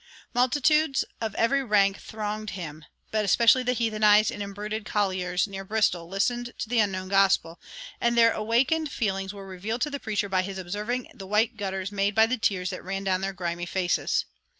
Multitudes of every rank thronged him; but especially the heathenized and embruted colliers near Bristol listened to the unknown gospel, and their awakened feelings were revealed to the preacher by his observing the white gutters made by the tears that ran down their grimy faces.